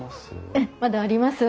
ええまだあります。